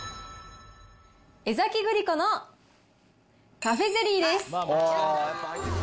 江崎グリコのカフェゼリーです。